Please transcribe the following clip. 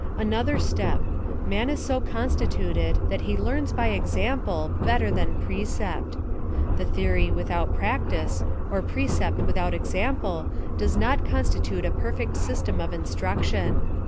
Another step — Man is so constituted that he teams by example better than precept. Theory without practice, or precept Avithout example does not constitute a perfect system of instruction.